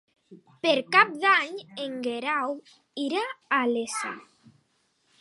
Per Cap d'Any en Guerau irà a la Iessa.